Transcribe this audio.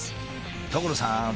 所さん！